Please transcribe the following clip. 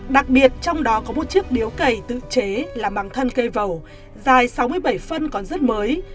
đặc biệt trong đó có một chiếc điếu cầy tự chế làm bằng thân cây vầu dài sáu mươi bảy phân còn rất mới